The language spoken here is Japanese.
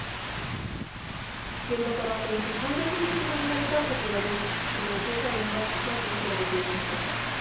現場からおよそ３００ｍ離れたこちらで昨日、捜査員が足跡を調べていました。